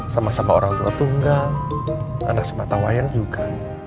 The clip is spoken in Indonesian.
sama sama orang tua tunggal anak semata wayang juga